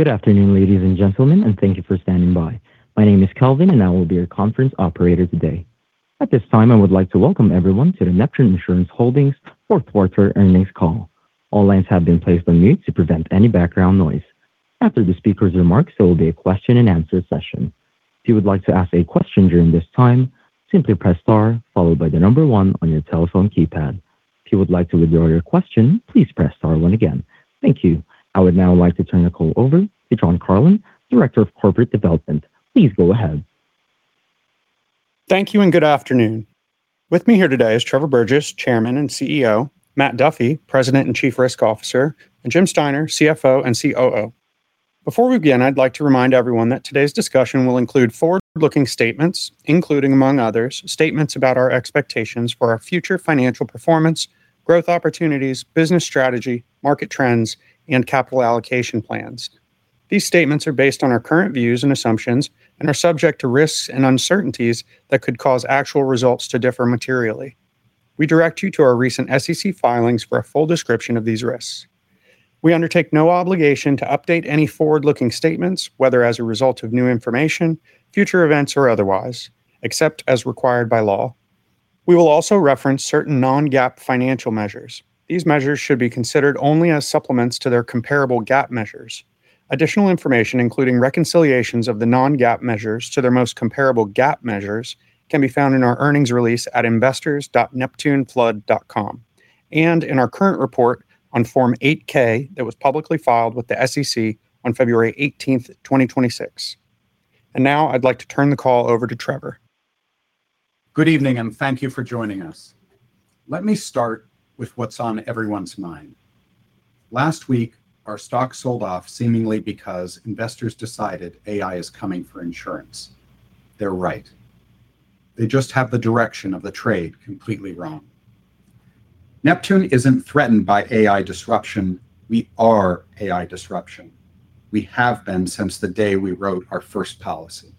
Good afternoon, ladies and gentlemen, and thank you for standing by. My name is Kelvin, and I will be your conference operator today. At this time, I would like to welcome everyone to the Neptune Insurance Holdings Q4 Earnings Call. All lines have been placed on mute to prevent any background noise. After the speaker's remarks, there will be a question and answer session. If you would like to ask a question during this time, simply press star followed by the number one on your telephone keypad. If you would like to withdraw your question, please press star one again. Thank you. I would now like to turn the call over to Jonathan Carlon, Director of Corporate Development. Please go ahead. Thank you, and good afternoon. With me here today is Trevor Burgess, Chairman and CEO, Matt Duffy, President and Chief Risk Officer, and Jim Steiner, CFO and COO. Before we begin, I'd like to remind everyone that today's discussion will include forward-looking statements, including among others, statements about our expectations for our future financial performance, growth opportunities, business strategy, market trends, and capital allocation plans. These statements are based on our current views and assumptions and are subject to risks and uncertainties that could cause actual results to differ materially. We direct you to our recent SEC filings for a full description of these risks. We undertake no obligation to update any forward-looking statements, whether as a result of new information, future events, or otherwise, except as required by law. We will also reference certain non-GAAP financial measures. These measures should be considered only as supplements to their comparable GAAP measures. Additional information, including reconciliations of the non-GAAP measures to their most comparable GAAP measures, can be found in our earnings release at investors.neptuneflood.com, and in our current report on Form 8-K that was publicly filed with the SEC on February 18th, 2026. Now I'd like to turn the call over to Trevor. Good evening, and thank you for joining us. Let me start with what's on everyone's mind. Last week, our stock sold off seemingly because investors decided AI is coming for insurance. They're right. They just have the direction of the trade completely wrong. Neptune isn't threatened by AI disruption, we are AI disruption. We have been since the day we wrote our first policy.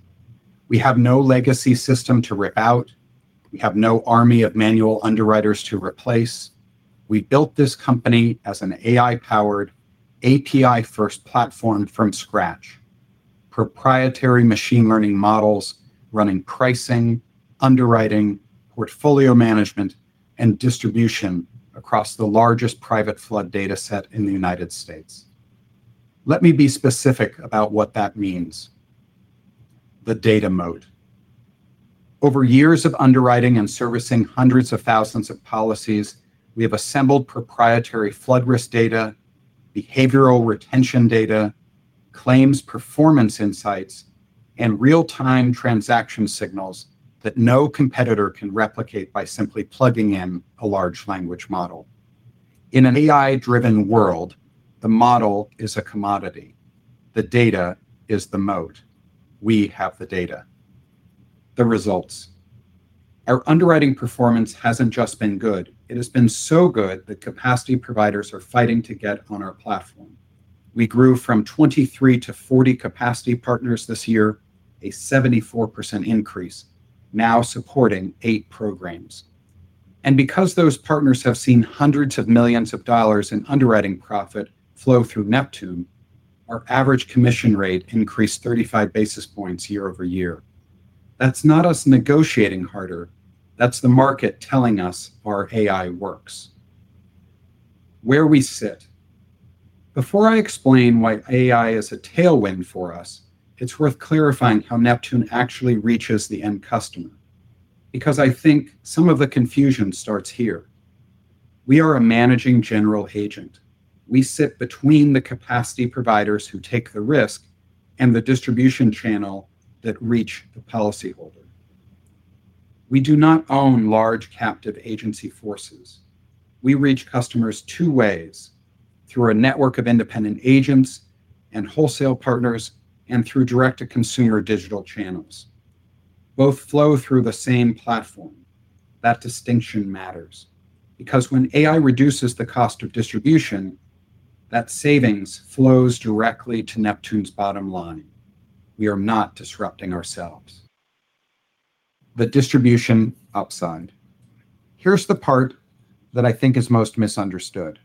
We have no legacy system to rip out. We have no army of manual underwriters to replace. We built this company as an AI-powered, API-first platform from scratch. Proprietary machine learning models, running pricing, underwriting, portfolio management, and distribution across the largest private flood data set in the United States. Let me be specific about what that means. The data moat. Over years of underwriting and servicing hundreds of thousands of policies, we have assembled proprietary flood risk data, behavioral retention data, claims performance insights, and real-time transaction signals that no competitor can replicate by simply plugging in a large language model. In an AI-driven world, the model is a commodity. The data is the moat. We have the data. The results. Our underwriting performance hasn't just been good, it has been so good that capacity providers are fighting to get on our platform. We grew from 23 to 40 capacity partners this year, a 74% increase, now supporting eight programs. Because those partners have seen hundreds of millions of dollars in underwriting profit flow through Neptune, our average commission rate increased 35 basis points year over year. That's not us negotiating harder, that's the market telling us our AI works. Where we sit. Before I explain why AI is a tailwind for us, it's worth clarifying how Neptune actually reaches the end customer, because I think some of the confusion starts here. We are a managing general agent. We sit between the capacity providers who take the risk and the distribution channel that reach the policyholder. We do not own large captive agency forces. We reach customers two ways: through a network of independent agents and wholesale partners, and through direct-to-consumer digital channels. Both flow through the same platform. That distinction matters, because when AI reduces the cost of distribution, that savings flows directly to Neptune's bottom line. We are not disrupting ourselves. The distribution upside. Here's the part that I think is most misunderstood.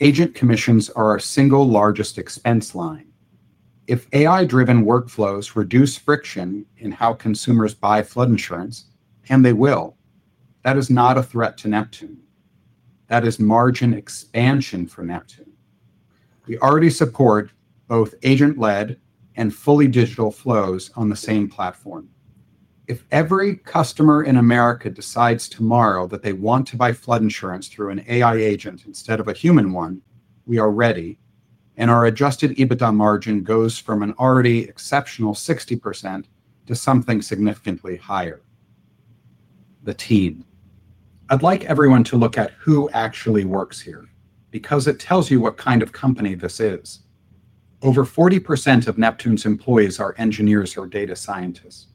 Agent commissions are our single largest expense line. If AI-driven workflows reduce friction in how consumers buy flood insurance, and they will, that is not a threat to Neptune. That is margin expansion for Neptune. We already support both agent-led and fully digital flows on the same platform. If every customer in America decides tomorrow that they want to buy flood insurance through an AI agent instead of a human one, we are ready, and our Adjusted EBITDA margin goes from an already exceptional 60% to something significantly higher. The team. I'd like everyone to look at who actually works here, because it tells you what kind of company this is. Over 40% of Neptune's employees are engineers or data scientists.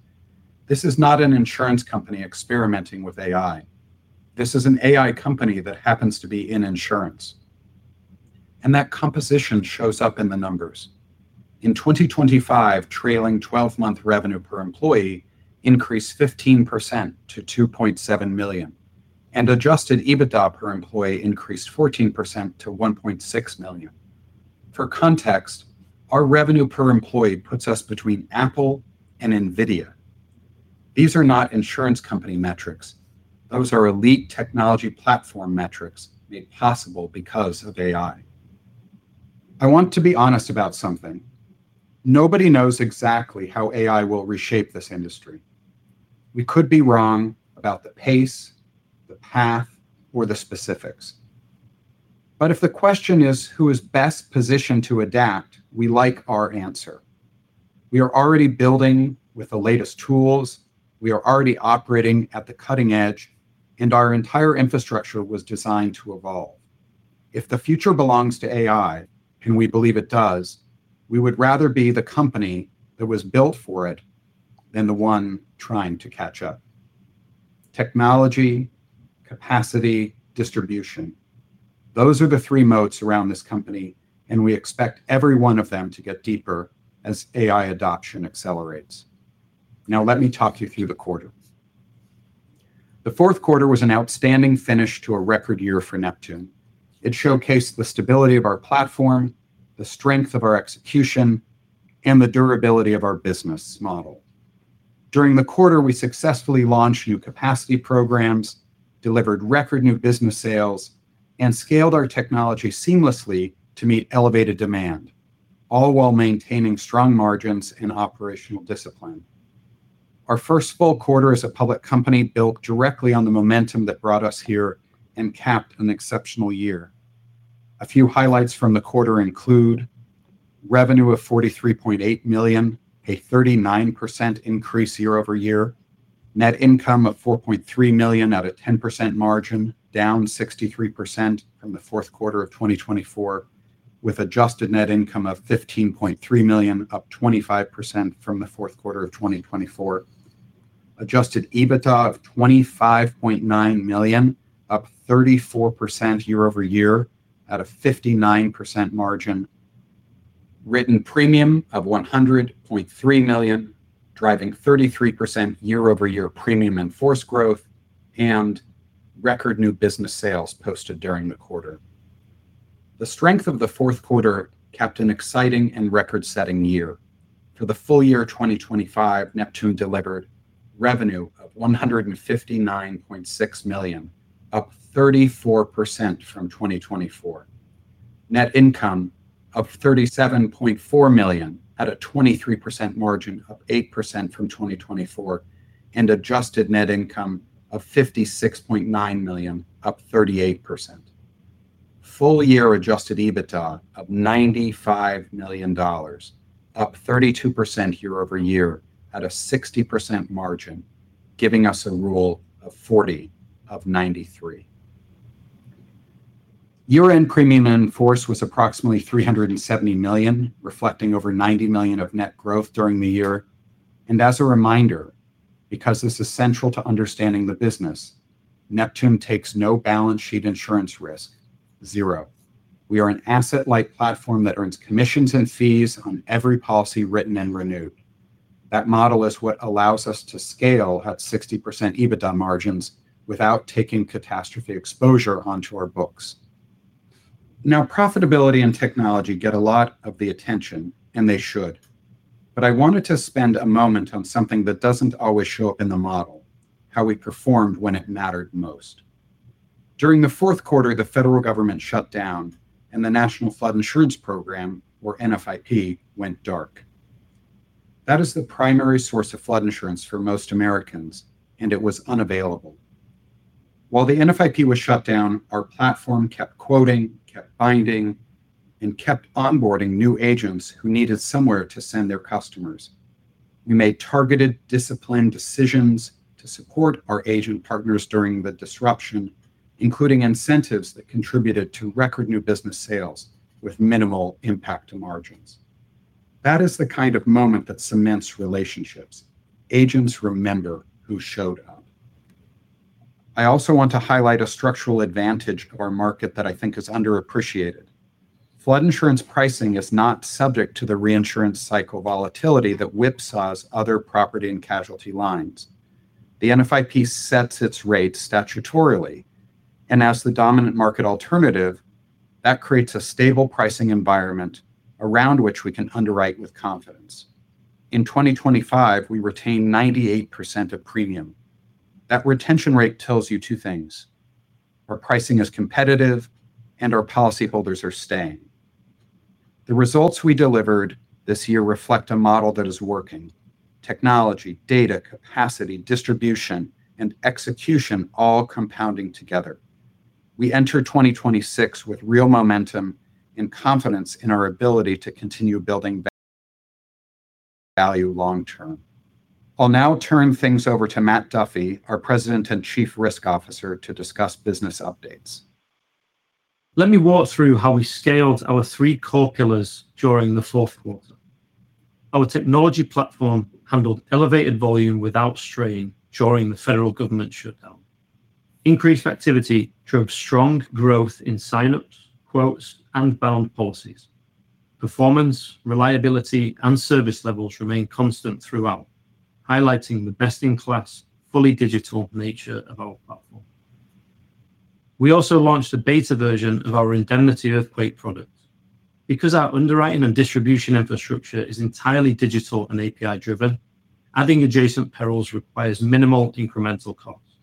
This is not an insurance company experimenting with AI. This is an AI company that happens to be in insurance, and that composition shows up in the numbers. In 2025, trailing twelve-month revenue per employee increased 15% to $2.7 million... and Adjusted EBITDA per employee increased 14% to $1.6 million. For context, our revenue per employee puts us between Apple and Nvidia. These are not insurance company metrics. Those are elite technology platform metrics made possible because of AI. I want to be honest about something. Nobody knows exactly how AI will reshape this industry. We could be wrong about the pace, the path, or the specifics. But if the question is, who is best positioned to adapt? We like our answer. We are already building with the latest tools, we are already operating at the cutting edge, and our entire infrastructure was designed to evolve. If the future belongs to AI, and we believe it does, we would rather be the company that was built for it than the one trying to catch up. Technology, capacity, distribution, those are the three moats around this company, and we expect every one of them to get deeper as AI adoption accelerates. Now, let me talk you through the quarter. The Q4 was an outstanding finish to a record year for Neptune. It showcased the stability of our platform, the strength of our execution, and the durability of our business model. During the quarter, we successfully launched new capacity programs, delivered record new business sales, and scaled our technology seamlessly to meet elevated demand, all while maintaining strong margins and operational discipline. Our first full quarter as a public company built directly on the momentum that brought us here and capped an exceptional year. A few highlights from the quarter include: revenue of $43.8 million, a 39% increase year over year, net income of $4.3 million at a 10% margin, down 63% from the Q4 of 2024, with Adjusted Net Income of $15.3 million, up 25% from the Q4 of 2024. Adjusted EBITDA of $25.9 million, up 34% year over year at a 59% margin. Written premium of $100.3 million, driving 33% year-over-year premium in-force growth, and record new business sales posted during the quarter. The strength of the Q4 capped an exciting and record-setting year. For the full year of 2025, Neptune delivered revenue of $159.6 million, up 34% from 2024. Net income of $37.4 million at a 23% margin, up 8% from 2024, and Adjusted Net Income of $56.9 million, up 38%. Full year adjusted EBITDA of $95 million, up 32% year-over-year at a 60% margin, giving us a Rule of 40 of 93. Year-end premium in force was approximately $370 million, reflecting over $90 million of net growth during the year. As a reminder, because this is central to understanding the business, Neptune takes no balance sheet insurance risk, zero. We are an asset-light platform that earns commissions and fees on every policy written and renewed. That model is what allows us to scale at 60% EBITDA margins without taking catastrophe exposure onto our books. Now, profitability and technology get a lot of the attention, and they should. I wanted to spend a moment on something that doesn't always show up in the model, how we performed when it mattered most. During the Q4, the federal government shut down and the National Flood Insurance Program, or NFIP, went dark. That is the primary source of flood insurance for most Americans, and it was unavailable. While the NFIP was shut down, our platform kept quoting, kept binding, and kept onboarding new agents who needed somewhere to send their customers. We made targeted, disciplined decisions to support our agent partners during the disruption, including incentives that contributed to record new business sales with minimal impact to margins. That is the kind of moment that cements relationships. Agents remember who showed up. I also want to highlight a structural advantage of our market that I think is underappreciated. Flood insurance pricing is not subject to the reinsurance cycle volatility that whipsaws other property and casualty lines. The NFIP sets its rates statutorily, and as the dominant market alternative, that creates a stable pricing environment around which we can underwrite with confidence. In 2025, we retained 98% of premium. That retention rate tells you two things: our pricing is competitive and our policyholders are staying. The results we delivered this year reflect a model that is working. Technology, data, capacity, distribution, and execution all compounding together. We enter 2026 with real momentum and confidence in our ability to continue building value long term. I'll now turn things over to Matt Duffy, our President and Chief Risk Officer, to discuss business updates. Let me walk through how we scaled our three core pillars during the Q4. Our technology platform handled elevated volume without strain during the federal government shutdown. Increased activity drove strong growth in sign-ups, quotes, and bound policies. Performance, reliability, and service levels remain constant throughout, highlighting the best-in-class, fully digital nature of our platform. We also launched a beta version of our indemnity earthquake product. Because our underwriting and distribution infrastructure is entirely digital and API-driven, adding adjacent perils requires minimal incremental costs.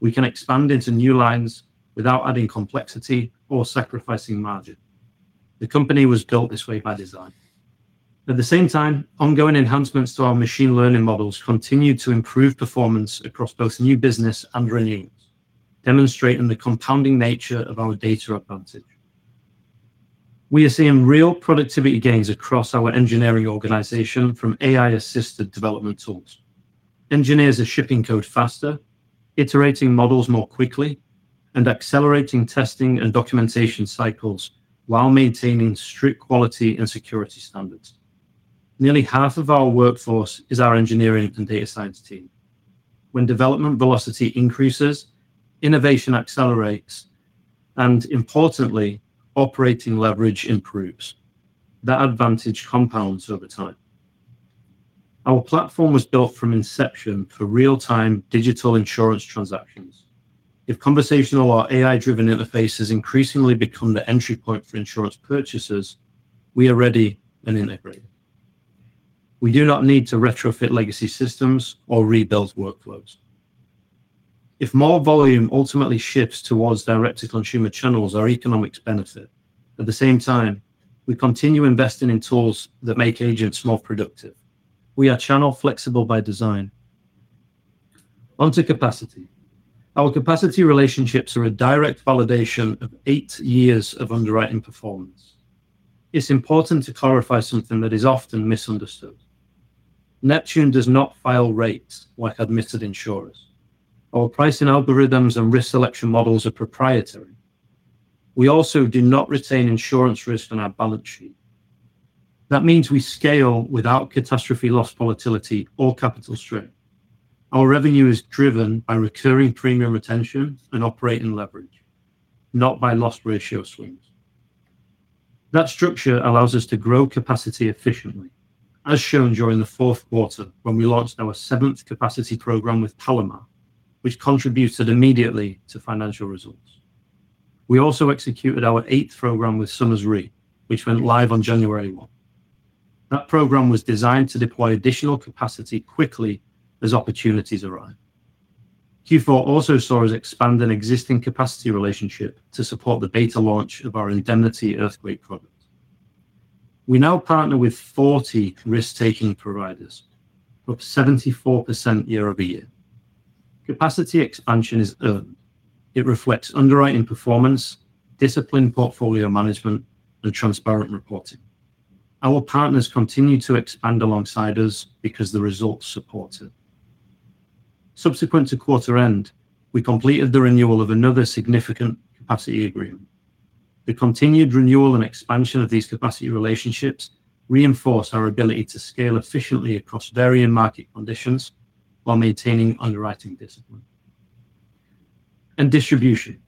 We can expand into new lines without adding complexity or sacrificing margin. The company was built this way by design. At the same time, ongoing enhancements to our machine learning models continue to improve performance across both new business and renewals, demonstrating the compounding nature of our data advantage. We are seeing real productivity gains across our engineering organization from AI-assisted development tools. Engineers are shipping code faster, iterating models more quickly, and accelerating testing and documentation cycles while maintaining strict quality and security standards. Nearly half of our workforce is our engineering and data science team. When development velocity increases, innovation accelerates, and importantly, operating leverage improves. That advantage compounds over time. Our platform was built from inception for real-time digital insurance transactions. If conversational or AI-driven interfaces increasingly become the entry point for insurance purchases, we are ready and integrated. We do not need to retrofit legacy systems or rebuild workflows. If more volume ultimately shifts towards direct-to-consumer channels, our economics benefit. At the same time, we continue investing in tools that make agents more productive. We are channel-flexible by design. Onto capacity. Our capacity relationships are a direct validation of eight years of underwriting performance. It's important to clarify something that is often misunderstood. Neptune does not file rates like admitted insurers. Our pricing algorithms and risk selection models are proprietary. We also do not retain insurance risk on our balance sheet. That means we scale without catastrophe loss volatility or capital strain. Our revenue is driven by recurring premium retention and operating leverage, not by loss ratio swings. That structure allows us to grow capacity efficiently, as shown during the Q4 when we launched our seventh capacity program with Palomar, which contributed immediately to financial results. We also executed our eighth program with Somers Re, which went live on January 1. That program was designed to deploy additional capacity quickly as opportunities arise. Q4 also saw us expand an existing capacity relationship to support the beta launch of our indemnity earthquake product. We now partner with 40 risk-taking providers, up 74% year-over-year. Capacity expansion is earned. It reflects underwriting performance, disciplined portfolio management, and transparent reporting. Our partners continue to expand alongside us because the results support it. Subsequent to quarter end, we completed the renewal of another significant capacity agreement. The continued renewal and expansion of these capacity relationships reinforce our ability to scale efficiently across varying market conditions while maintaining underwriting discipline. Distribution.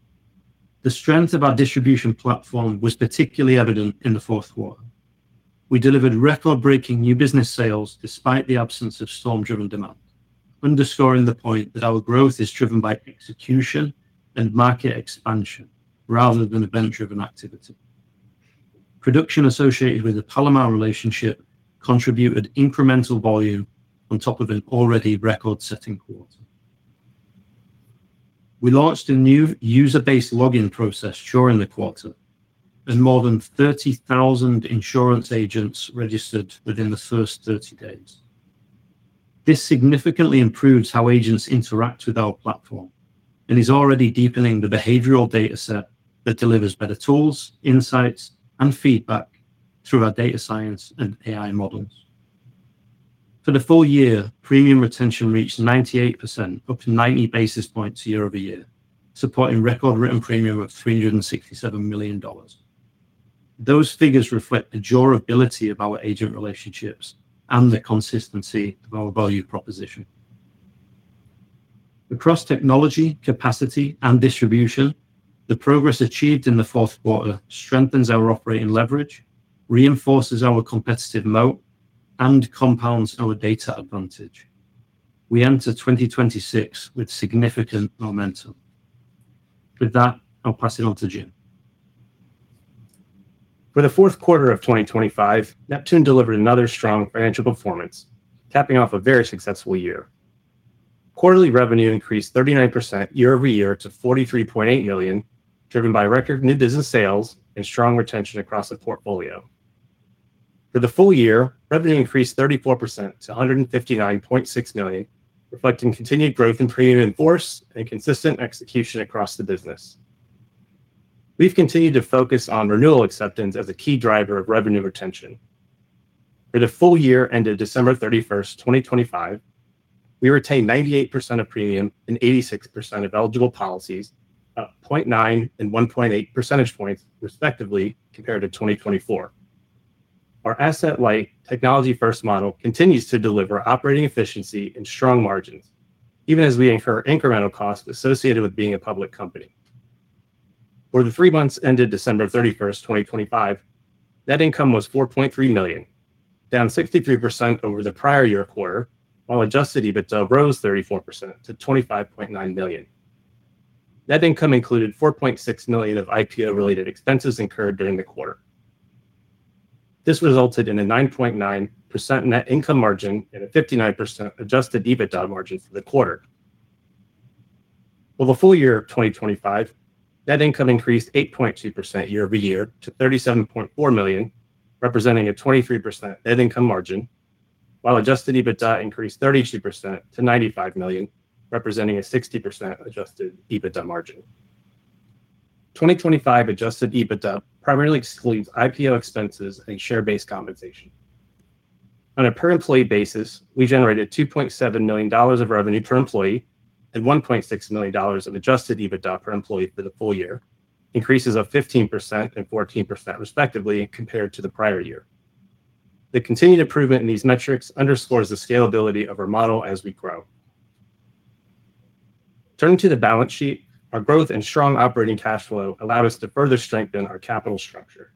The strength of our distribution platform was particularly evident in the Q4. We delivered record-breaking new business sales despite the absence of storm-driven demand, underscoring the point that our growth is driven by execution and market expansion rather than event-driven activity. Production associated with the Palomar relationship contributed incremental volume on top of an already record-setting quarter. We launched a new user-based login process during the quarter, and more than 30,000 insurance agents registered within the first 30 days. This significantly improves how agents interact with our platform and is already deepening the behavioral data set that delivers better tools, insights, and feedback through our data science and AI models. For the full year, premium retention reached 98%, up 90 basis points year over year, supporting record written premium of $367 million. Those figures reflect the durability of our agent relationships and the consistency of our value proposition. Across technology, capacity, and distribution, the progress achieved in the Q4 strengthens our operating leverage, reinforces our competitive moat, and compounds our data advantage. We enter 2026 with significant momentum. With that, I'll pass it on to Jim. For the Q4 of 2025, Neptune delivered another strong financial performance, capping off a very successful year. Quarterly revenue increased 39% year-over-year to $43.8 million, driven by record new business sales and strong retention across the portfolio. For the full year, revenue increased 34% to $159.6 million, reflecting continued growth in premium in force and consistent execution across the business. We've continued to focus on renewal acceptance as a key driver of revenue retention. For the full year ended December 31, 2025, we retained 98% of premium and 86% of eligible policies, up 0.9 and 1.8 percentage points, respectively, compared to 2024. Our asset-light, technology-first model continues to deliver operating efficiency and strong margins, even as we incur incremental costs associated with being a public company.... For the three months ended December 31, 2025, net income was $4.3 million, down 63% over the prior year quarter, while Adjusted EBITDA rose 34% to $25.9 million. Net income included $4.6 million of IPO-related expenses incurred during the quarter. This resulted in a 9.9% net income margin and a 59% Adjusted EBITDA margin for the quarter. For the full year of 2025, net income increased 8.2% year-over-year to $37.4 million, representing a 23% net income margin, while Adjusted EBITDA increased 32% to $95 million, representing a 60% Adjusted EBITDA margin. 2025 Adjusted EBITDA primarily excludes IPO expenses and share-based compensation. On a per-employee basis, we generated $2.7 million of revenue per employee and $1.6 million of Adjusted EBITDA per employee for the full year, increases of 15% and 14%, respectively, compared to the prior year. The continued improvement in these metrics underscores the scalability of our model as we grow. Turning to the balance sheet, our growth and strong operating cash flow allowed us to further strengthen our capital structure.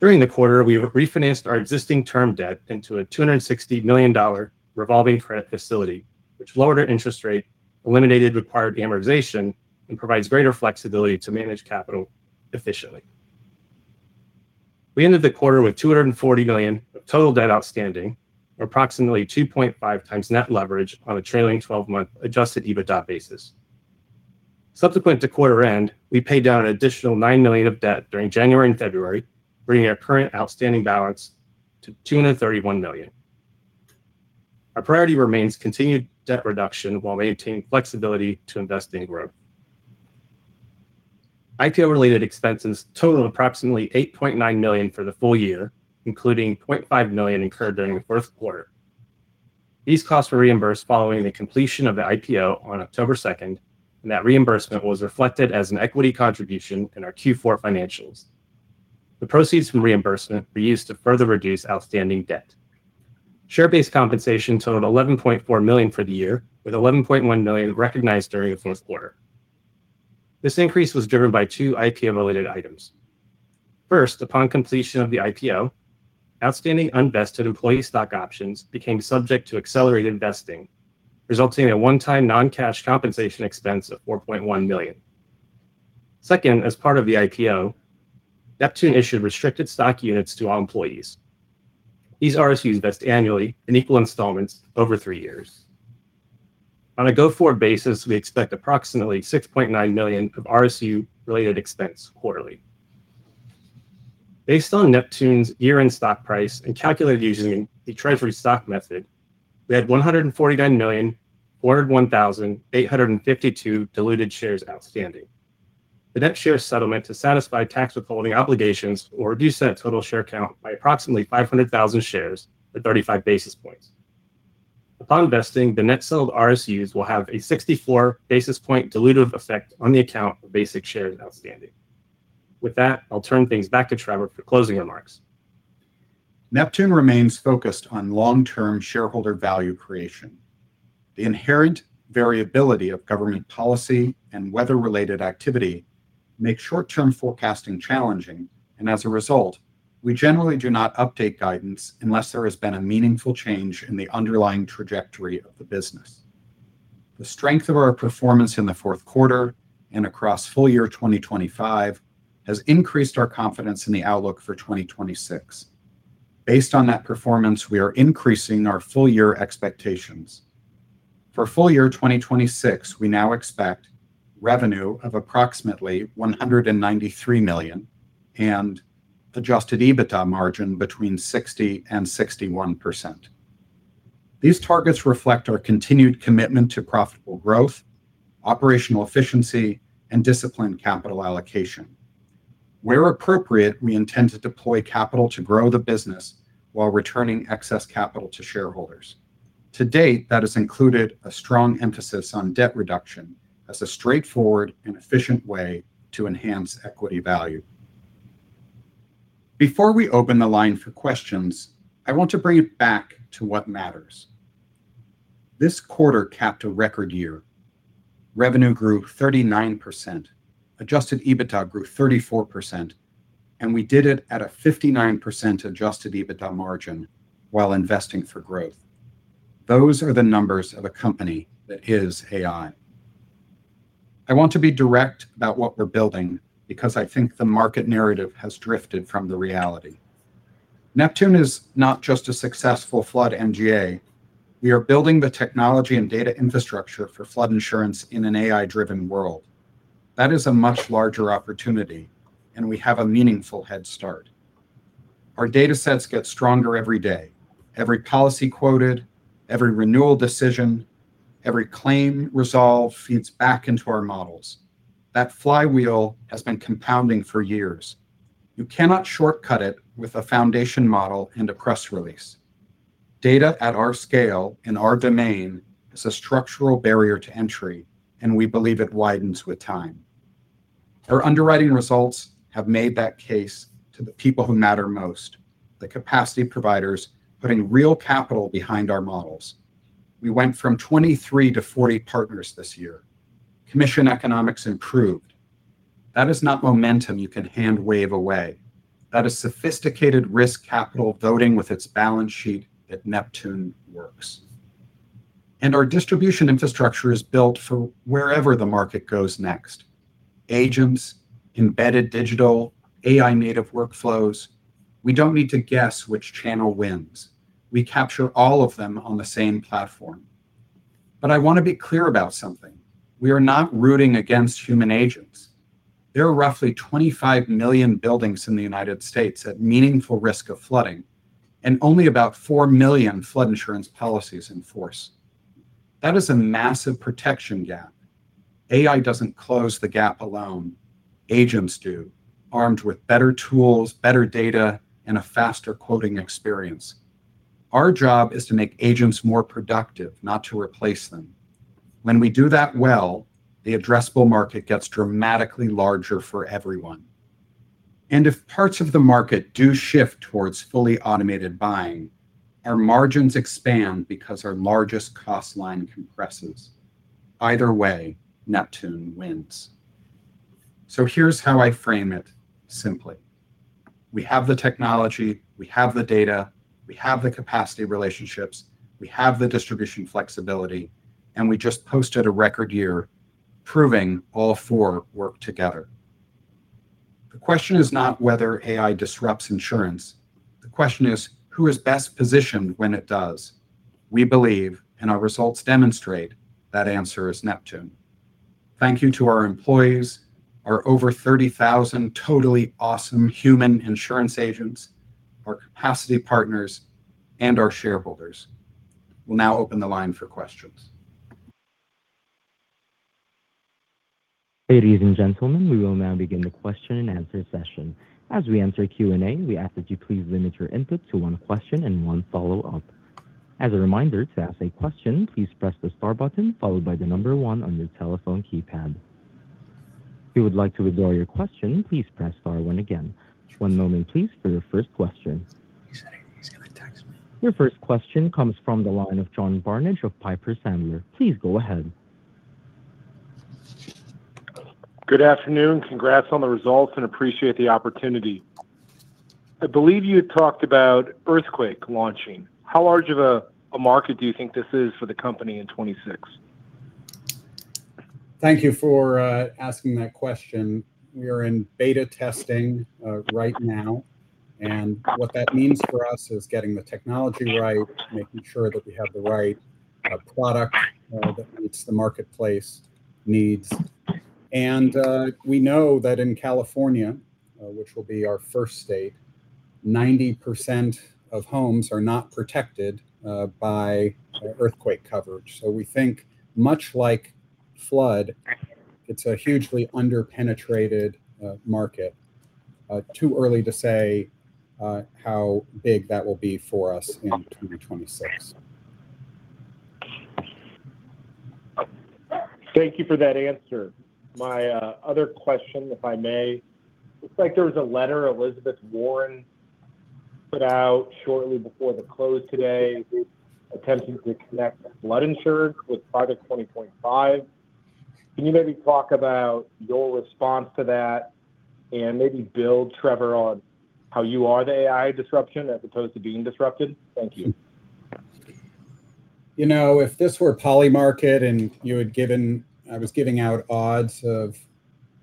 During the quarter, we refinanced our existing term debt into a $260 million revolving credit facility, which lowered our interest rate, eliminated required amortization, and provides greater flexibility to manage capital efficiently. We ended the quarter with $240 million of total debt outstanding, or approximately 2.5 times net leverage on a trailing twelve-month Adjusted EBITDA basis. Subsequent to quarter end, we paid down an additional $9 million of debt during January and February, bringing our current outstanding balance to $231 million. Our priority remains continued debt reduction while maintaining flexibility to invest in growth. IPO-related expenses totaled approximately $8.9 million for the full year, including $0.5 million incurred during the Q4. These costs were reimbursed following the completion of the IPO on October 2, and that reimbursement was reflected as an equity contribution in our Q4 financials. The proceeds from reimbursement were used to further reduce outstanding debt. Share-based compensation totaled $11.4 million for the year, with $11.1 million recognized during the Q4. This increase was driven by two IPO-related items. First, upon completion of the IPO, outstanding unvested employee stock options became subject to accelerated vesting, resulting in a one-time non-cash compensation expense of $4.1 million. Second, as part of the IPO, Neptune issued restricted stock units to all employees. These RSUs vest annually in equal installments over three years. On a go-forward basis, we expect approximately $6.9 million of RSU-related expense quarterly. Based on Neptune's year-end stock price and calculated using the treasury stock method, we had 149,401,852 diluted shares outstanding. The net share settlement to satisfy tax withholding obligations will reduce that total share count by approximately 500,000 shares, or 35 basis points. Upon vesting, the net settled RSUs will have a 64 basis point dilutive effect on the account of basic shares outstanding. With that, I'll turn things back to Trevor for closing remarks. Neptune remains focused on long-term shareholder value creation. The inherent variability of government policy and weather-related activity make short-term forecasting challenging, and as a result, we generally do not update guidance unless there has been a meaningful change in the underlying trajectory of the business. The strength of our performance in the Q4 and across full year 2025 has increased our confidence in the outlook for 2026. Based on that performance, we are increasing our full-year expectations. For full year 2026, we now expect revenue of approximately $193 million and Adjusted EBITDA margin between 60% and 61%. These targets reflect our continued commitment to profitable growth, operational efficiency, and disciplined capital allocation. Where appropriate, we intend to deploy capital to grow the business while returning excess capital to shareholders. To date, that has included a strong emphasis on debt reduction as a straightforward and efficient way to enhance equity value. Before we open the line for questions, I want to bring it back to what matters. This quarter capped a record year. Revenue grew 39%, Adjusted EBITDA grew 34%, and we did it at a 59% Adjusted EBITDA margin while investing for growth. Those are the numbers of a company that is AI. I want to be direct about what we're building because I think the market narrative has drifted from the reality. Neptune is not just a successful flood MGA. We are building the technology and data infrastructure for flood insurance in an AI-driven world. That is a much larger opportunity, and we have a meaningful head start. Our data sets get stronger every day. Every policy quoted, every renewal decision, every claim resolved feeds back into our models. That flywheel has been compounding for years. You cannot shortcut it with a foundation model and a press release. Data at our scale and our domain is a structural barrier to entry, and we believe it widens with time. Our underwriting results have made that case to the people who matter most, the capacity providers putting real capital behind our models. We went from 23 to 40 partners this year. Commission economics improved. That is not momentum you can hand wave away. That is sophisticated risk capital voting with its balance sheet that Neptune works. And our distribution infrastructure is built for wherever the market goes next. Agents, embedded digital, AI-native workflows, we don't need to guess which channel wins. We capture all of them on the same platform. I want to be clear about something: we are not rooting against human agents. There are roughly 25 million buildings in the United States at meaningful risk of flooding, and only about 4 million flood insurance policies in force. That is a massive protection gap. AI doesn't close the gap alone, agents do, armed with better tools, better data, and a faster quoting experience. Our job is to make agents more productive, not to replace them. When we do that well, the addressable market gets dramatically larger for everyone. If parts of the market do shift towards fully automated buying, our margins expand because our largest cost line compresses. Either way, Neptune wins. Here's how I frame it simply. We have the technology, we have the data, we have the capacity relationships, we have the distribution flexibility, and we just posted a record year proving all four work together. The question is not whether AI disrupts insurance. The question is, who is best positioned when it does? We believe, and our results demonstrate, that answer is Neptune. Thank you to our employees, our over 30,000 totally awesome human insurance agents, our capacity partners, and our shareholders. We'll now open the line for questions. Ladies and gentlemen, we will now begin the question and answer session. As we enter Q&A, we ask that you please limit your input to one question and one follow-up. As a reminder, to ask a question, please press the star button followed by the number one on your telephone keypad. If you would like to withdraw your question, please press star one again. One moment, please, for your first question. He said he's gonna text me. Your first question comes from the line of John Barnidge of Piper Sandler. Please go ahead. Good afternoon. Congrats on the results, and appreciate the opportunity. I believe you had talked about earthquake launching. How large of a market do you think this is for the company in 2026? Thank you for asking that question. We are in beta testing right now, and what that means for us is getting the technology right, making sure that we have the right product that meets the marketplace needs. And we know that in California, which will be our first state, 90% of homes are not protected by earthquake coverage. So we think, much like flood, it's a hugely under-penetrated market. Too early to say how big that will be for us in 2026. Thank you for that answer. My other question, if I may. It looks like there was a letter Elizabeth Warren put out shortly before the close today, attempting to connect flood insured with Project 2025. Can you maybe talk about your response to that and maybe build, Trevor, on how you are the AI disruption as opposed to being disrupted? Thank you. You know, if this were Polymarket and you had given... I was giving out odds of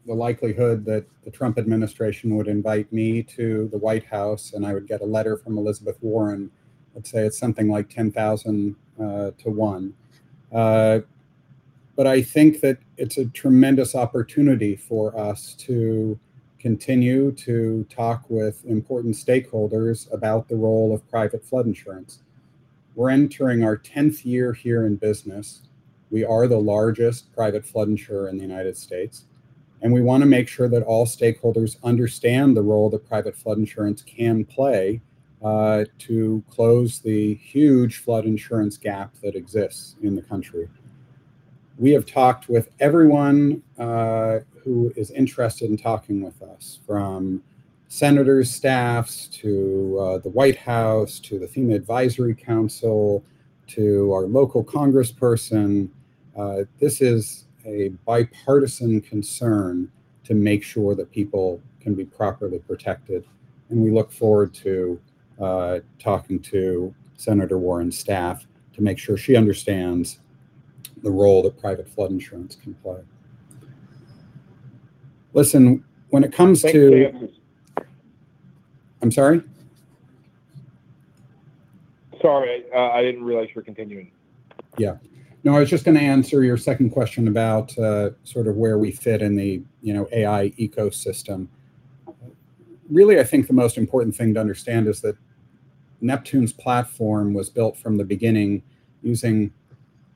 the likelihood that the Trump administration would invite me to the White House, and I would get a letter from Elizabeth Warren, I'd say it's something like 10,000 to one. But I think that it's a tremendous opportunity for us to continue to talk with important stakeholders about the role of private flood insurance. We're entering our tenth year here in business. We are the largest private flood insurer in the United States, and we want to make sure that all stakeholders understand the role that private flood insurance can play to close the huge flood insurance gap that exists in the country. We have talked with everyone who is interested in talking with us, from senators' staffs, to the White House, to the FEMA Advisory Council, to our local congressperson. This is a bipartisan concern to make sure that people can be properly protected, and we look forward to talking to Senator Warren's staff to make sure she understands the role that private flood insurance can play. Listen, when it comes to- Thank you. I'm sorry? Sorry, I didn't realize you were continuing. Yeah. No, I was just gonna answer your second question about, sort of where we fit in the, you know, AI ecosystem. Really, I think the most important thing to understand is that Neptune's platform was built from the beginning using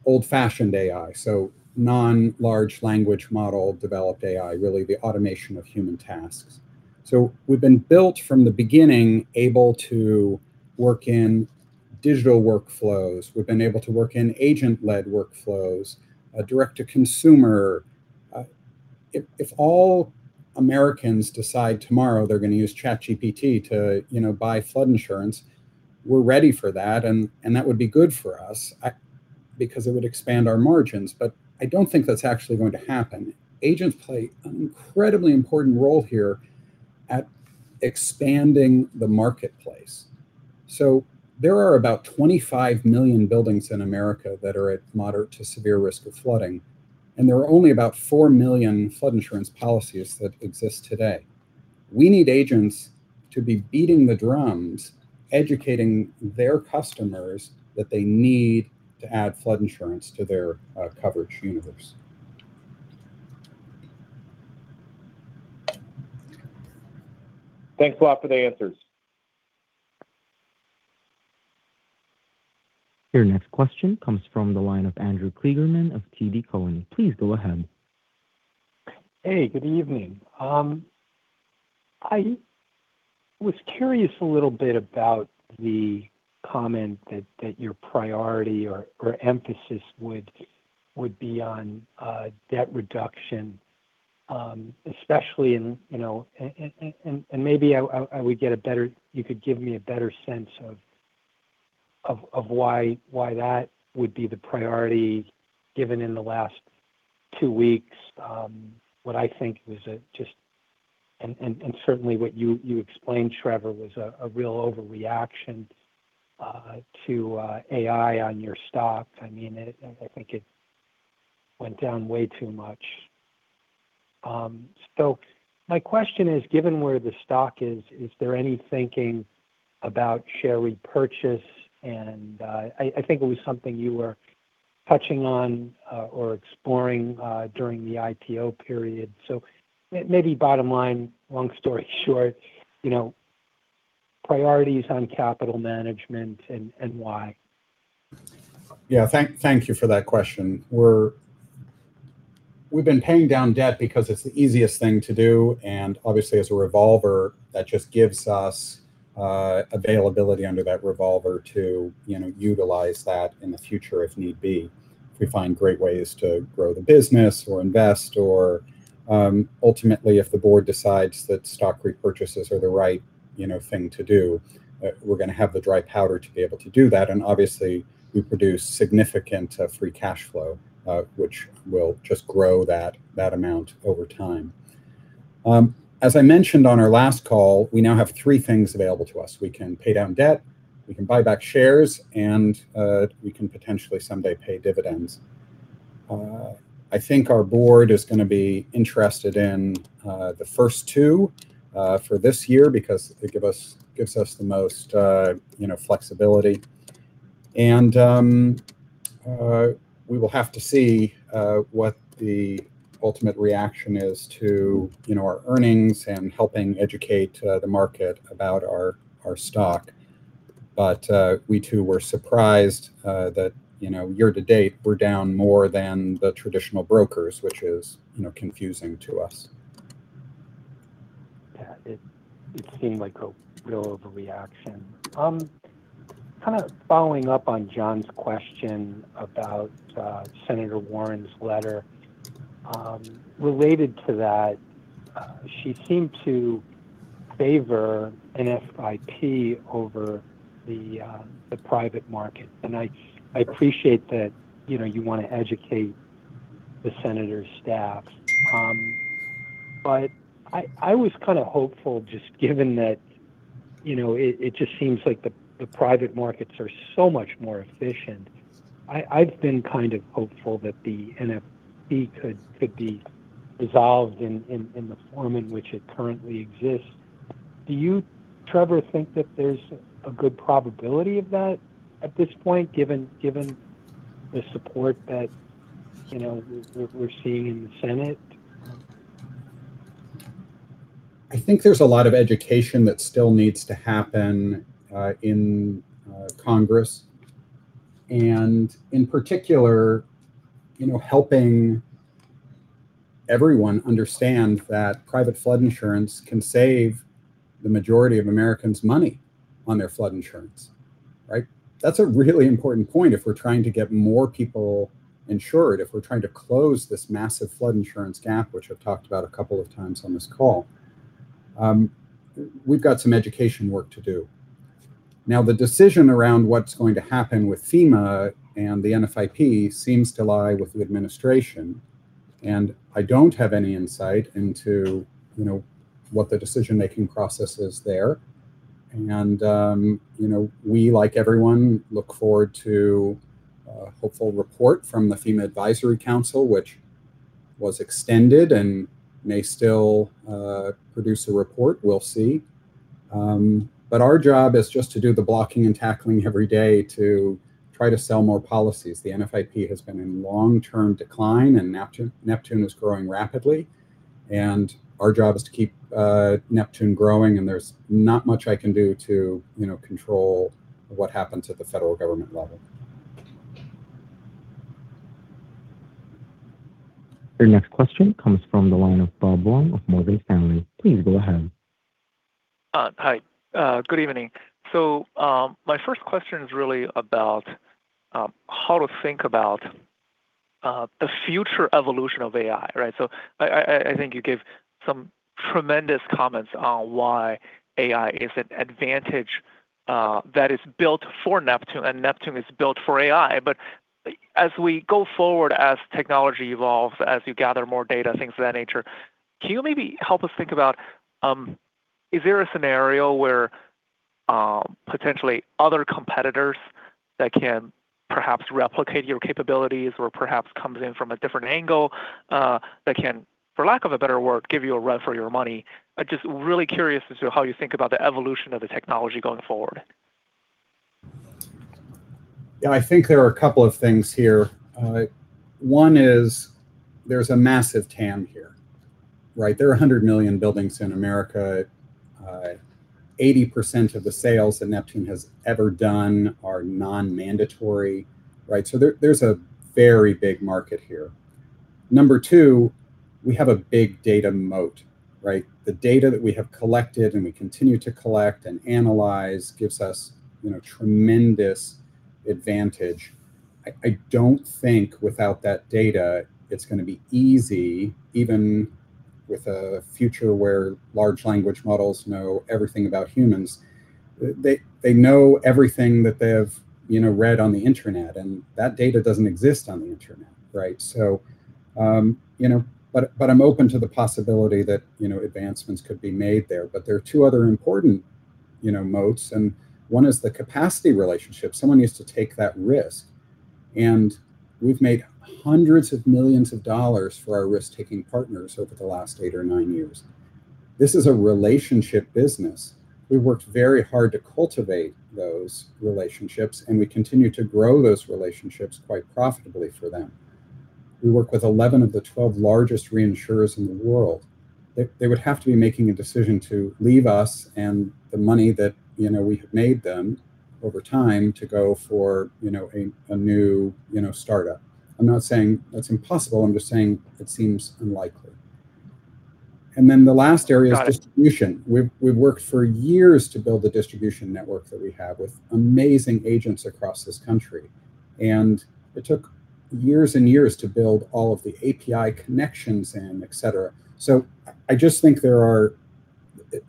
old-fashioned AI, so non-large language model-developed AI, really the automation of human tasks. So we've been built from the beginning able to work in digital workflows. We've been able to work in agent-led workflows, a direct-to-consumer. If all Americans decide tomorrow they're gonna use ChatGPT to, you know, buy flood insurance, we're ready for that, and that would be good for us, because it would expand our margins. But I don't think that's actually going to happen. Agents play an incredibly important role here at expanding the marketplace. So there are about 25 million buildings in America that are at moderate to severe risk of flooding, and there are only about 4 million flood insurance policies that exist today. We need agents to be beating the drums, educating their customers that they need to add flood insurance to their coverage universe. Thanks a lot for the answers. Your next question comes from the line of Andrew Kligerman of TD Cowen. Please go ahead. Hey, good evening. I was curious a little bit about the comment that your priority or emphasis would be on debt reduction, especially in, you know. And maybe I would get a better—you could give me a better sense of why that would be the priority, given in the last two weeks what I think was. And certainly what you explained, Trevor, was a real overreaction to AI on your stocks. I mean, I think it went down way too much. So my question is, given where the stock is, is there any thinking about share repurchase? And I think it was something you were touching on or exploring during the IPO period. So maybe bottom line, long story short, you know, priorities on capital management and, and why? Yeah, thank, thank you for that question. We're, we've been paying down debt because it's the easiest thing to do, and obviously, as a revolver, that just gives us availability under that revolver to, you know, utilize that in the future if need be. If we find great ways to grow the business or invest or, ultimately, if the board decides that stock repurchases are the right, you know, thing to do, we're gonna have the dry powder to be able to do that. And obviously, we produce significant free cash flow, which will just grow that, that amount over time. As I mentioned on our last call, we now have three things available to us: We can pay down debt, we can buy back shares, and we can potentially someday pay dividends. I think our board is gonna be interested in the first two for this year because they give us, gives us the most, you know, flexibility. And we will have to see what the ultimate reaction is to, you know, our earnings and helping educate the market about our, our stock. But we too were surprised that, you know, year to date, we're down more than the traditional brokers, which is, you know, confusing to us. Yeah, it seemed like a real overreaction. Kinda following up on John's question about Senator Warren's letter, related to that, she seemed to favor NFIP over the private market. And I appreciate that, you know, you wanna educate the senator's staff, but I was kinda hopeful, just given that, you know, it just seems like the private markets are so much more efficient. I've been kind of hopeful that the NFIP could be dissolved in the form in which it currently exists. Do you, Trevor, think that there's a good probability of that at this point, given the support that, you know, we're seeing in the Senate? I think there's a lot of education that still needs to happen in Congress, and in particular, you know, helping everyone understand that private flood insurance can save the majority of Americans money on their flood insurance, right? That's a really important point if we're trying to get more people insured, if we're trying to close this massive flood insurance gap, which I've talked about a couple of times on this call. We've got some education work to do. Now, the decision around what's going to happen with FEMA and the NFIP seems to lie with the administration, and I don't have any insight into, you know, what the decision-making process is there. You know, we, like everyone, look forward to a hopeful report from the FEMA Advisory Council, which was extended and may still produce a report. We'll see. Our job is just to do the blocking and tackling every day to try to sell more policies. The NFIP has been in long-term decline, and Neptune, Neptune is growing rapidly, and our job is to keep Neptune growing, and there's not much I can do to, you know, control what happens at the federal government level. Your next question comes from the line of Bob Huang of Morgan Stanley. Please go ahead. Hi. Good evening. So, my first question is really about how to think about the future evolution of AI, right? So I think you gave some tremendous comments on why AI is an advantage that is built for Neptune, and Neptune is built for AI. But as we go forward, as technology evolves, as you gather more data, things of that nature, can you maybe help us think about... Is there a scenario where potentially other competitors that can perhaps replicate your capabilities or perhaps comes in from a different angle that can, for lack of a better word, give you a run for your money? I'm just really curious as to how you think about the evolution of the technology going forward. Yeah, I think there are a couple of things here. One is there's a massive TAM here, right? There are 100 million buildings in America. Eighty percent of the sales that Neptune has ever done are non-mandatory, right? So there, there's a very big market here. Number two, we have a big data moat, right? The data that we have collected, and we continue to collect and analyze, gives us, you know, tremendous advantage. I don't think without that data, it's gonna be easy, even with a future where large language models know everything about humans. They know everything that they have, you know, read on the Internet, and that data doesn't exist on the Internet, right? So, you know, but I'm open to the possibility that, you know, advancements could be made there. But there are two other important, you know, moats, and one is the capacity relationship. Someone needs to take that risk, and we've made $hundreds of millions for our risk-taking partners over the last 8 or 9 years. This is a relationship business. We worked very hard to cultivate those relationships, and we continue to grow those relationships quite profitably for them. We work with 11 of the 12 largest reinsurers in the world. They, they would have to be making a decision to leave us and the money that, you know, we have made them over time to go for, you know, a, a new, you know, start-up. I'm not saying that's impossible, I'm just saying it seems unlikely. And then the last area is distribution. We've, we've worked for years to build the distribution network that we have with amazing agents across this country, and it took years and years to build all of the API connections and et cetera. So I just think there are...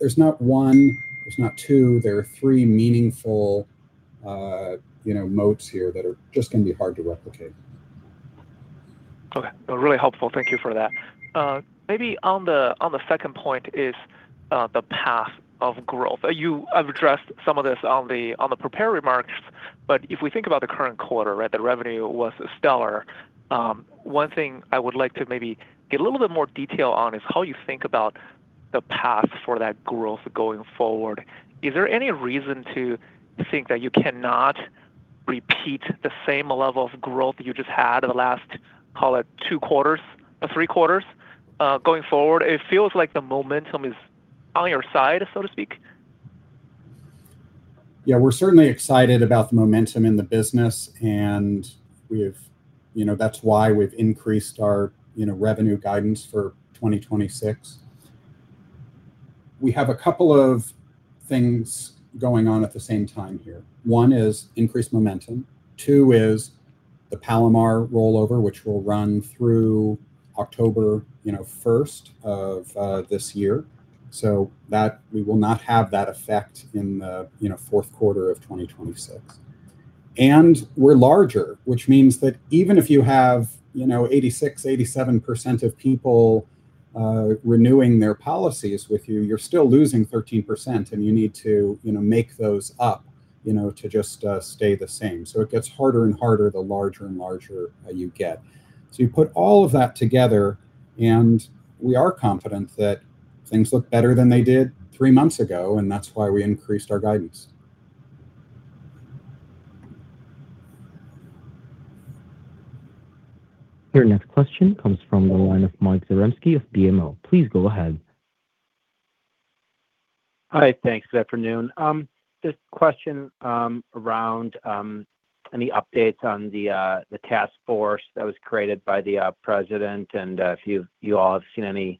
There's not one, there's not two, there are three meaningful, you know, moats here that are just gonna be hard to replicate. Okay. Really helpful. Thank you for that. Maybe on the second point, the path of growth. You have addressed some of this on the prepared remarks, but if we think about the current quarter, right, the revenue was stellar. One thing I would like to maybe get a little bit more detail on is how you think about the path for that growth going forward. Is there any reason to think that you cannot repeat the same level of growth you just had in the last, call it, two quarters or three quarters, going forward? It feels like the momentum is on your side, so to speak. Yeah, we're certainly excited about the momentum in the business, and we've... You know, that's why we've increased our, you know, revenue guidance for 2026. We have a couple of things going on at the same time here. One is increased momentum. Two is the Palomar rollover, which will run through October, you know, first of this year. So that we will not have that effect in the, you know, Q4 of 2026. And we're larger, which means that even if you have, you know, 86%-87% of people renewing their policies with you, you're still losing 13%, and you need to, you know, make those up, you know, to just stay the same. So it gets harder and harder, the larger and larger you get. So you put all of that together, and we are confident that things look better than they did three months ago, and that's why we increased our guidance. Your next question comes from the line of Mike Zaremski of BMO. Please go ahead. Hi, thanks. Good afternoon. Just question around any updates on the task force that was created by the President and if you all have seen any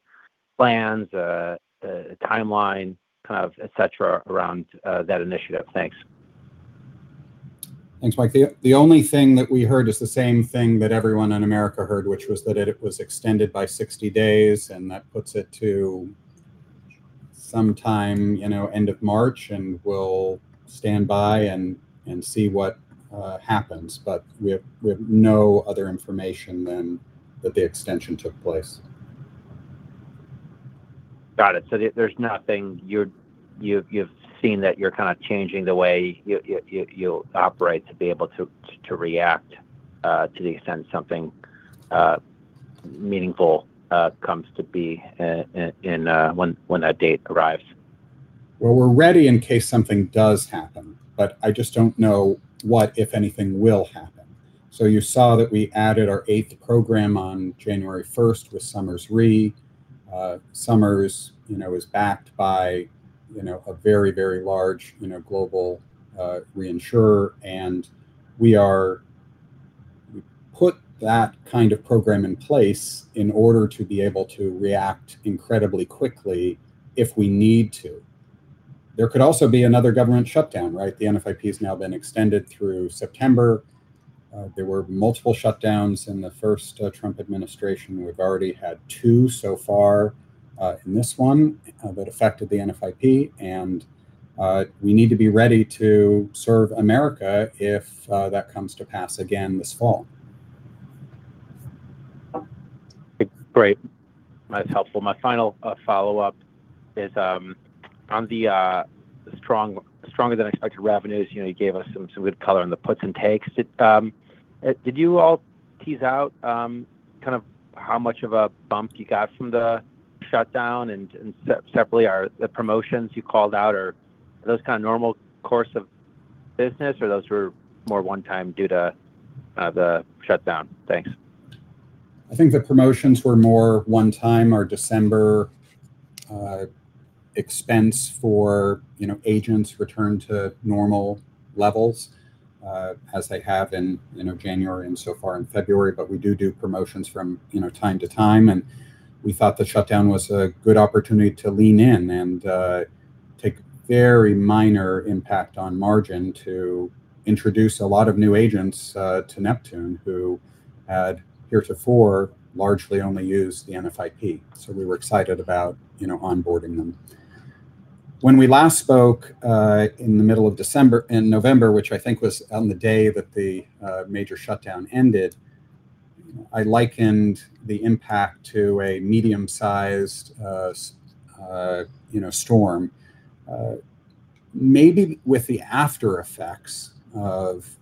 plans, a timeline, kind of, et cetera, around that initiative? Thanks. Thanks, Mike. The only thing that we heard is the same thing that everyone in America heard, which was that it was extended by 60 days, and that puts it to sometime, you know, end of March, and we'll stand by and see what happens. But we have no other information than that the extension took place. Got it. So, there's nothing you've seen that you're kinda changing the way you'll operate to be able to react to the extent something meaningful comes to be in when that date arrives. Well, we're ready in case something does happen, but I just don't know what, if anything, will happen. So you saw that we added our eighth program on January first with Somers Re. Somers, you know, is backed by, you know, a very, very large, you know, global reinsurer, and we put that kind of program in place in order to be able to react incredibly quickly if we need to. There could also be another government shutdown, right? The NFIP has now been extended through September. There were multiple shutdowns in the first Trump administration. We've already had two so far in this one that affected the NFIP, and we need to be ready to serve America if that comes to pass again this fall. Great. That's helpful. My final follow-up is on the stronger than expected revenues. You know, you gave us some good color on the puts and takes. Did you all tease out kind of how much of a bump you got from the shutdown? And separately, are the promotions you called out those kind of normal course of business, or those were more one-time due to the shutdown? Thanks. I think the promotions were more one time or December, expense for, you know, agents return to normal levels, as they have in, you know, January and so far in February. But we do do promotions from, you know, time to time, and we thought the shutdown was a good opportunity to lean in and, take very minor impact on margin to introduce a lot of new agents, to Neptune, who had heretofore largely only used the NFIP. So we were excited about, you know, onboarding them. When we last spoke, in the middle of December... in November, which I think was on the day that the, major shutdown ended, I likened the impact to a medium-sized, you know, storm. Maybe with the aftereffects of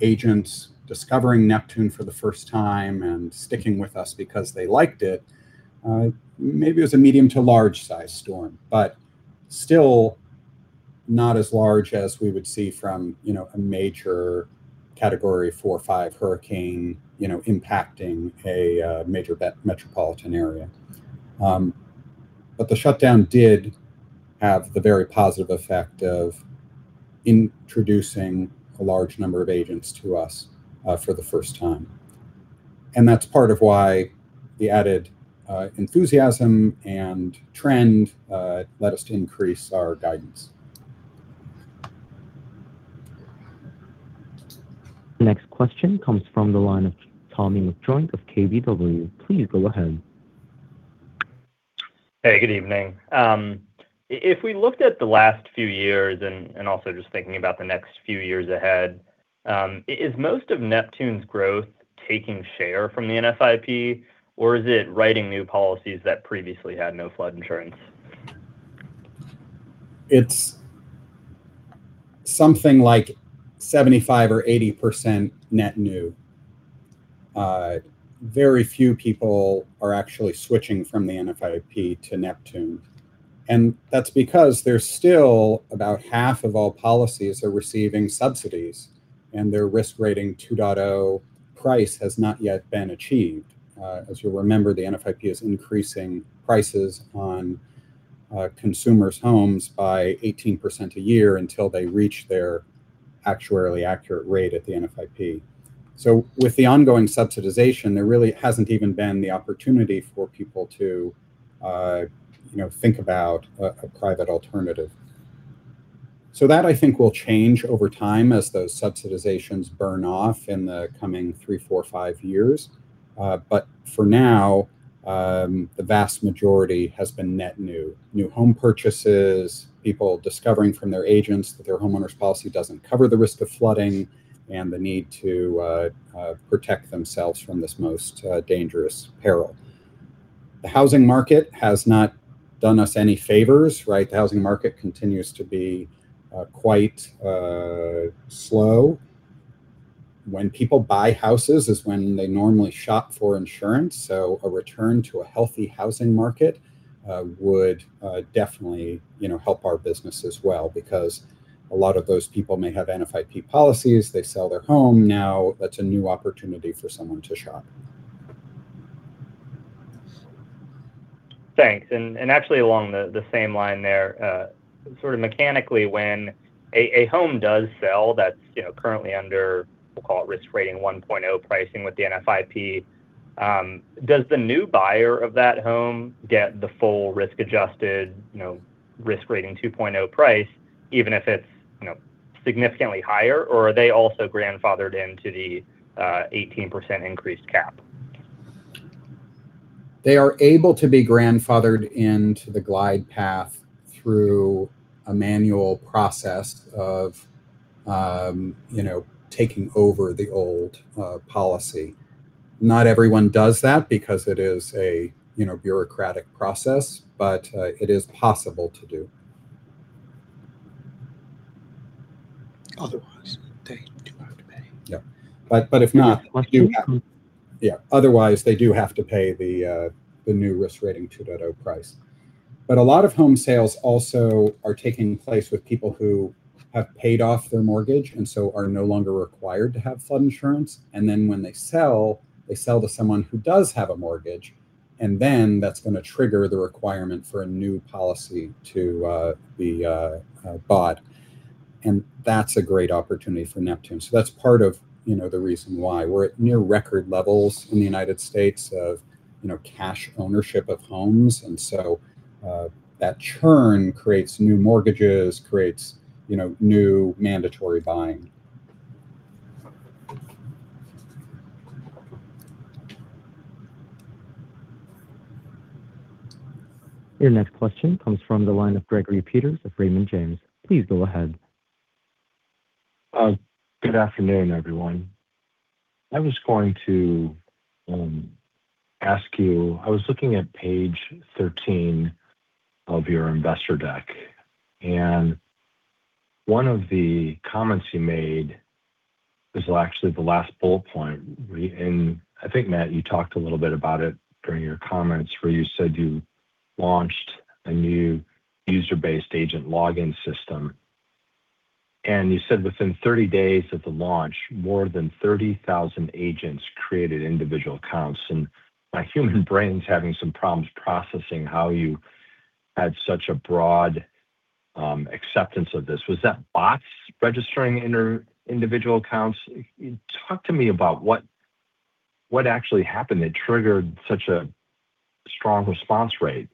agents discovering Neptune for the first time and sticking with us because they liked it, maybe it was a medium to large-sized storm, but still not as large as we would see from, you know, a major Category four or five hurricane, you know, impacting a major metropolitan area. But the shutdown did have the very positive effect of introducing a large number of agents to us for the first time, and that's part of why the added enthusiasm and trend led us to increase our guidance. Next question comes from the line of Tommy McJoynt of KBW. Please go ahead. Hey, good evening. If we looked at the last few years and, and also just thinking about the next few years ahead, is most of Neptune's growth taking share from the NFIP, or is it writing new policies that previously had no flood insurance? It's something like 75% or 80% net new. Very few people are actually switching from the NFIP to Neptune, and that's because there's still about half of all policies are receiving subsidies, and their Risk Rating 2.0 price has not yet been achieved. As you'll remember, the NFIP is increasing prices on, consumers' homes by 18% a year until they reach their actuarially accurate rate at the NFIP. So with the ongoing subsidization, there really hasn't even been the opportunity for people to, you know, think about a private alternative. So that I think will change over time as those subsidizations burn off in the coming 3, 4, 5 years. But for now, the vast majority has been net new. New home purchases, people discovering from their agents that their homeowner's policy doesn't cover the risk of flooding, and the need to protect themselves from this most dangerous peril. The housing market has not done us any favors, right? The housing market continues to be quite slow. When people buy houses is when they normally shop for insurance, so a return to a healthy housing market would definitely, you know, help our business as well, because a lot of those people may have NFIP policies. They sell their home; now that's a new opportunity for someone to shop. Thanks. And actually along the same line there, sort of mechanically, when a home does sell that's, you know, currently under, we'll call it Risk Rating 1.0 pricing with the NFIP, does the new buyer of that home get the full risk-adjusted, you know, Risk Rating 2.0 price, even if it's, you know, significantly higher? Or are they also grandfathered into the 18% increased cap? They are able to be grandfathered into the glide path through a manual process of, you know, taking over the old policy. Not everyone does that because it is a, you know, bureaucratic process, but it is possible to do. Otherwise, they do have to pay. Yeah. But if not- Like you- Yeah. Otherwise, they do have to pay the, the new Risk Rating 2.0 price. But a lot of home sales also are taking place with people who have paid off their mortgage, and so are no longer required to have flood insurance. And then when they sell, they sell to someone who does have a mortgage, and then that's gonna trigger the requirement for a new policy to, be, bought. And that's a great opportunity for Neptune. So that's part of, you know, the reason why we're at near record levels in the United States of, you know, cash ownership of homes. And so, that churn creates new mortgages, creates, you know, new mandatory buying. Your next question comes from the line of Gregory Peters of Raymond James. Please go ahead. Good afternoon, everyone. I was going to ask you... I was looking at page 13 of your investor deck, and one of the comments you made is well, actually the last bullet point. And I think, Matt, you talked a little bit about it during your comments, where you said you launched a new user-based agent login system. And you said within 30 days of the launch, more than 30,000 agents created individual accounts, and my human brain's having some problems processing how you had such a broad acceptance of this. Was that bots registering in your individual accounts? Talk to me about what, what actually happened that triggered such a strong response rate.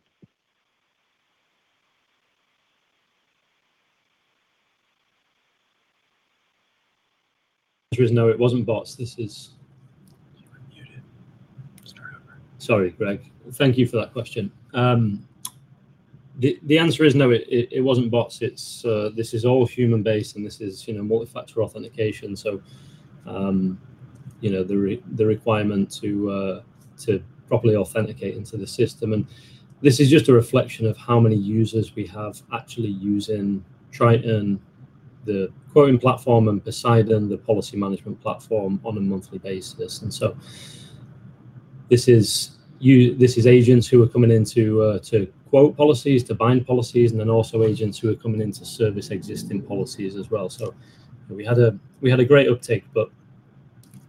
The answer is no, it wasn't bots. This is- You were muted. Start over. Sorry, Greg. Thank you for that question. The answer is no, it wasn't bots. It's this is all human-based, and this is, you know, multi-factor authentication. So, you know, the requirement to properly authenticate into the system, and this is just a reflection of how many users we have actually using Triton, the quoting platform, and Poseidon, the policy management platform, on a monthly basis. And so this is agents who are coming in to quote policies, to bind policies, and then also agents who are coming in to service existing policies as well. So we had a great uptake, but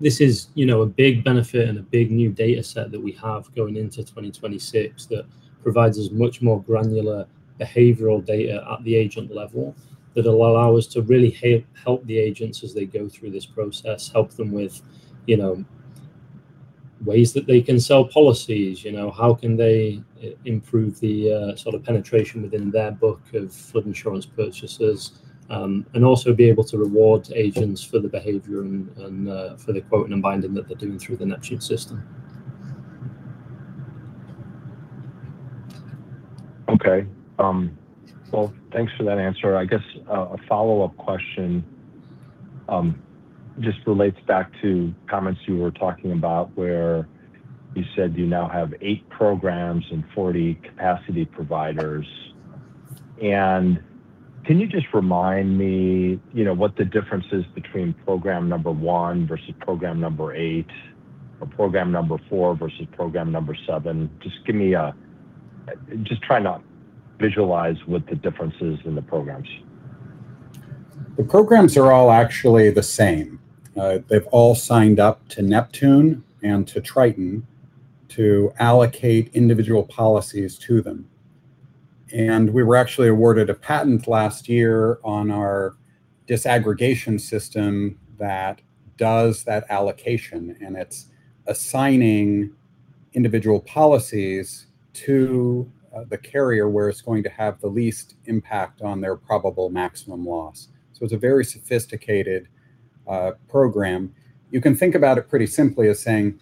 this is, you know, a big benefit and a big new data set that we have going into 2026, that provides us much more granular behavioral data at the agent level, that will allow us to really help the agents as they go through this process. Help them with, you know, ways that they can sell policies. You know, how can they improve the, sort of penetration within their book of flood insurance purchases? And also be able to reward agents for the behavior and for the quoting and binding that they're doing through the Neptune system. Okay. Well, thanks for that answer. I guess a follow-up question just relates back to comments you were talking about, where you said you now have 8 programs and 40 capacity providers. Can you just remind me, you know, what the difference is between program number 1 versus program number 8, or program number 4 versus program number 7? Just give me a... Just try and visualize what the difference is in the programs. The programs are all actually the same. They've all signed up to Neptune and to Triton to allocate individual policies to them. We were actually awarded a patent last year on our disaggregation system that does that allocation, and it's assigning individual policies to the carrier, where it's going to have the least impact on their probable maximum loss. It's a very sophisticated program. You can think about it pretty simply as saying: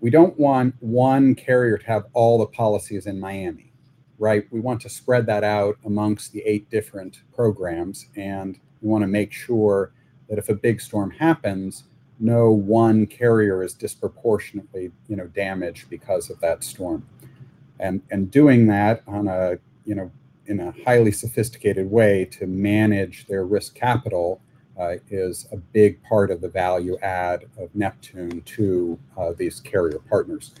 We don't want one carrier to have all the policies in Miami, right? We want to spread that out amongst the eight different programs, and we wanna make sure that if a big storm happens, no one carrier is disproportionately, you know, damaged because of that storm. Doing that on a, you know, in a highly sophisticated way to manage their risk capital is a big part of the value add of Neptune to these carrier partners.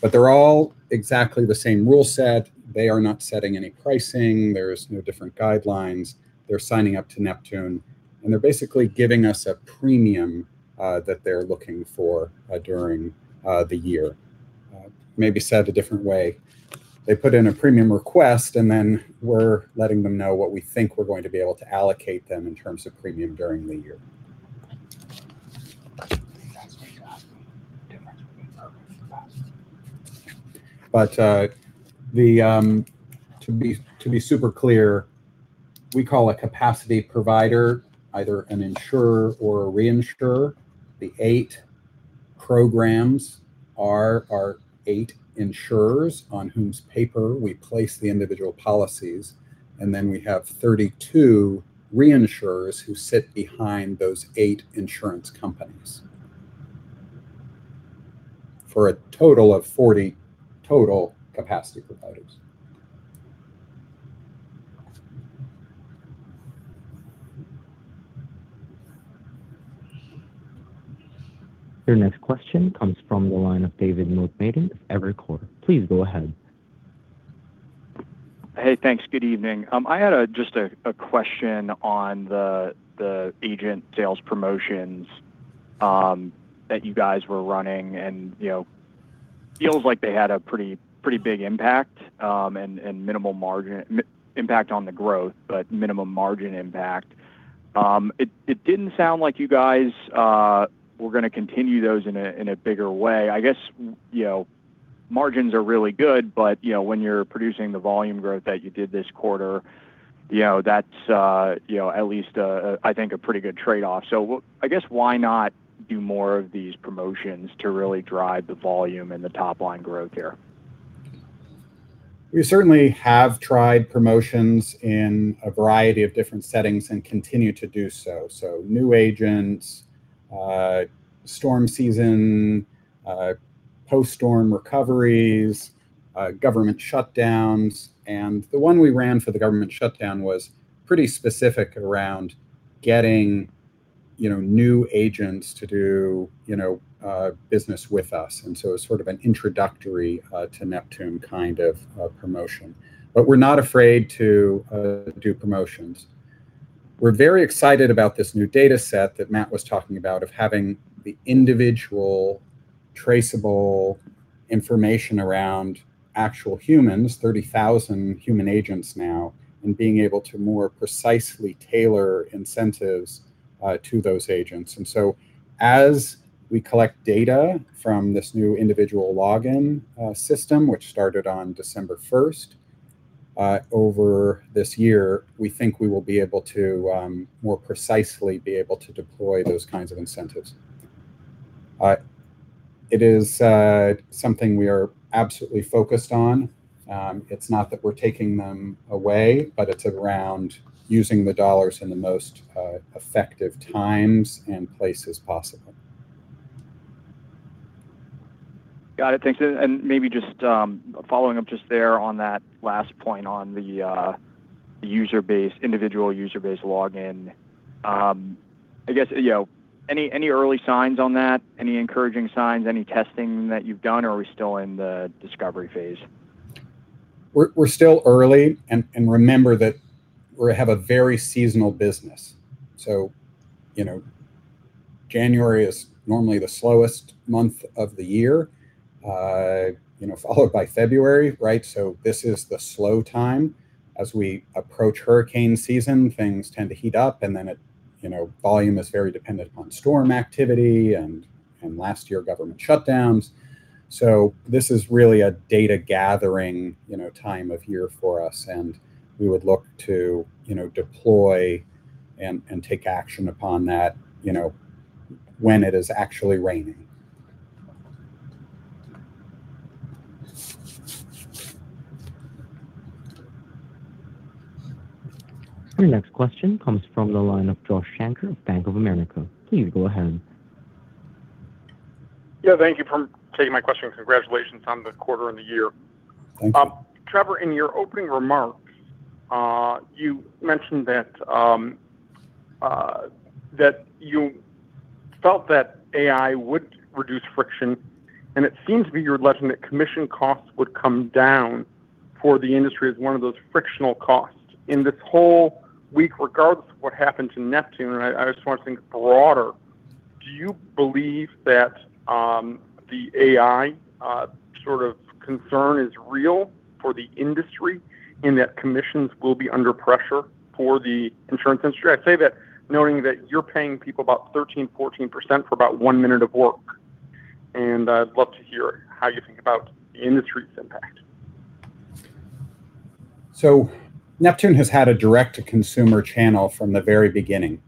But they're all exactly the same rule set. They are not setting any pricing. There's no different guidelines. They're signing up to Neptune, and they're basically giving us a premium that they're looking for during the year. Maybe said a different way, they put in a premium request, and then we're letting them know what we think we're going to be able to allocate them in terms of premium during the year. Can you guys repeat the difference between programs? But, to be super clear, we call a capacity provider either an insurer or a reinsurer. The eight programs are our eight insurers on whose paper we place the individual policies, and then we have 32 reinsurers who sit behind those eight insurance companies, for a total of 40 total capacity providers. Your next question comes from the line of David Motemaden, Evercore. Please go ahead. Hey, thanks. Good evening. I had just a question on the agent sales promotions that you guys were running, and, you know, feels like they had a pretty big impact, and minimal margin impact on the growth, but minimum margin impact. It didn't sound like you guys were gonna continue those in a bigger way. I guess, you know, margins are really good, but, you know, when you're producing the volume growth that you did this quarter, you know, that's you know at least I think a pretty good trade-off. So I guess why not do more of these promotions to really drive the volume and the top-line growth here? We certainly have tried promotions in a variety of different settings and continue to do so. So new agents, storm season, post-storm recoveries, government shutdowns. And the one we ran for the government shutdown was pretty specific around getting, you know, new agents to do, you know, business with us, and so it's sort of an introductory, to Neptune kind of, promotion. But we're not afraid to do promotions. We're very excited about this new data set that Matt was talking about, of having the individual traceable information around actual humans, 30,000 human agents now, and being able to more precisely tailor incentives to those agents. And so as we collect data from this new individual login system, which started on December first over this year, we think we will be able to more precisely be able to deploy those kinds of incentives. It is something we are absolutely focused on. It's not that we're taking them away, but it's around using the dollars in the most effective times and places possible. Got it. Thanks. And maybe just following up just there on that last point on the user base, individual user base login. I guess, you know, any early signs on that? Any encouraging signs, any testing that you've done, or are we still in the discovery phase? We're still early, and remember that we have a very seasonal business. So, you know, January is normally the slowest month of the year, you know, followed by February, right? So this is the slow time. As we approach hurricane season, things tend to heat up, and then, you know, volume is very dependent upon storm activity and last year, government shutdowns. So this is really a data-gathering, you know, time of year for us, and we would look to, you know, deploy and take action upon that, you know, when it is actually raining. Your next question comes from the line of Josh Shanker, Bank of America. Please go ahead. Yeah, thank you for taking my question, and congratulations on the quarter and the year. Thank you. Trevor, in your opening remarks, you mentioned that you felt that AI would reduce friction, and it seems to be you're alleging that commission costs would come down for the industry as one of those frictional costs. In this whole week, regardless of what happened to Neptune, and I, I just want to think broader, do you believe that the AI sort of concern is real for the industry, and that commissions will be under pressure for the insurance industry? I say that knowing that you're paying people about 13%-14% for about one minute of work, and I'd love to hear how you think about the industry's impact. So Neptune has had a direct-to-consumer channel from the very beginning,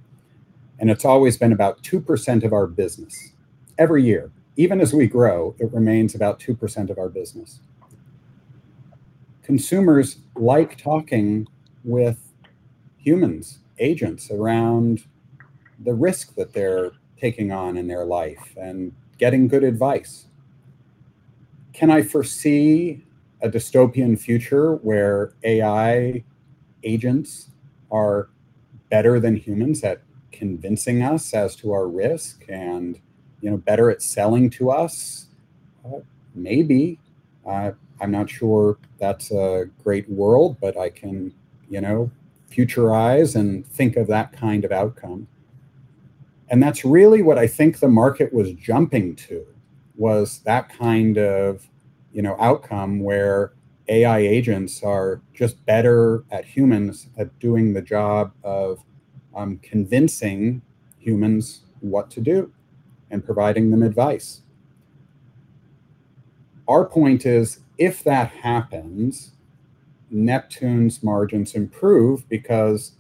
and it's always been about 2% of our business. Every year, even as we grow, it remains about 2% of our business. Consumers like talking with humans, agents around the risk that they're taking on in their life and getting good advice. Can I foresee a dystopian future where AI agents are better than humans at convincing us as to our risk and, you know, better at selling to us? Well, maybe. I'm not sure that's a great world, but I can, you know, futurize and think of that kind of outcome. And that's really what I think the market was jumping to, was that kind of, you know, outcome where AI agents are just better at humans at doing the job of, convincing humans what to do and providing them advice. Our point is, if that happens, Neptune's margins improve because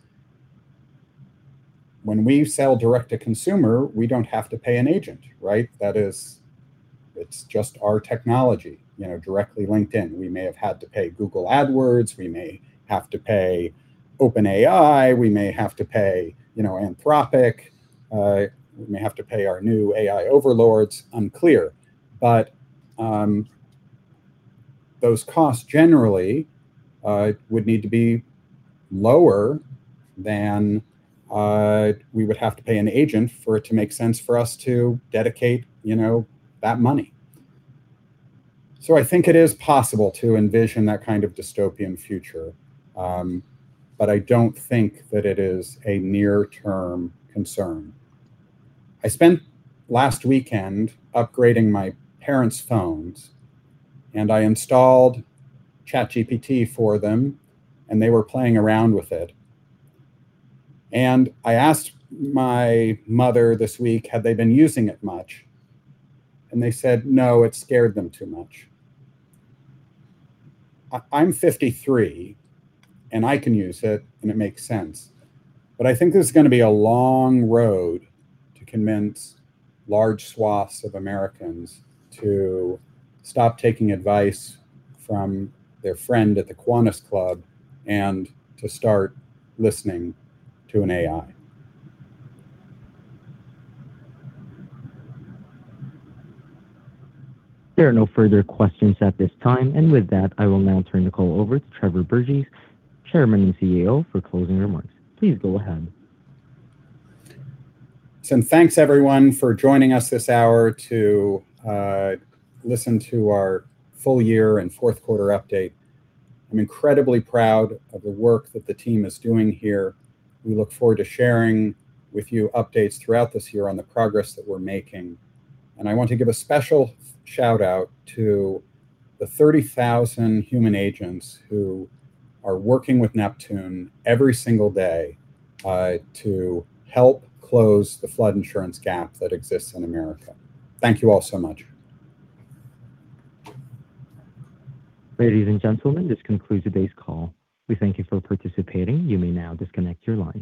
when we sell direct to consumer, we don't have to pay an agent, right? That is... It's just our technology, you know, directly linked in. We may have had to pay Google AdWords, we may have to pay OpenAI, we may have to pay, you know, Anthropic, we may have to pay our new AI overlords, unclear. But, Those costs generally, would need to be lower than, we would have to pay an agent for it to make sense for us to dedicate, you know, that money. So I think it is possible to envision that kind of dystopian future, but I don't think that it is a near-term concern. I spent last weekend upgrading my parents' phones, and I installed ChatGPT for them, and they were playing around with it. I asked my mother this week, have they been using it much? And they said, "No, it scared them too much." I, I'm 53, and I can use it, and it makes sense, but I think there's gonna be a long road to convince large swaths of Americans to stop taking advice from their friend at the Kiwanis Club and to start listening to an AI. There are no further questions at this time. With that, I will now turn the call over to Trevor Burgess, Chairman and CEO, for closing remarks. Please go ahead. Thanks, everyone, for joining us this hour to listen to our full year and Q4 update. I'm incredibly proud of the work that the team is doing here. We look forward to sharing with you updates throughout this year on the progress that we're making. I want to give a special shout-out to the 30,000 human agents who are working with Neptune every single day to help close the flood insurance gap that exists in America. Thank you all so much. Ladies and gentlemen, this concludes today's call. We thank you for participating. You may now disconnect your line.